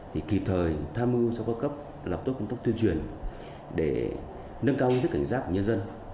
thì kịp thời tham mưu cho cấp cấp lọc chốt công tốc tuyên truyền để nâng cao giới cảnh giác của nhân dân